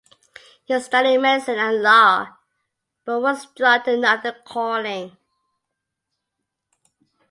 He studied medicine and law but was drawn to neither calling.